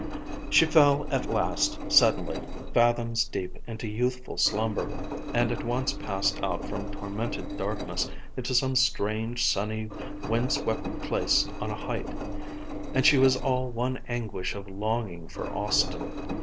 She fell at last, suddenly, fathoms deep into youthful slumber, and at once passed out from tormented darkness into some strange, sunny, wind swept place on a height. And she was all one anguish of longing for Austin.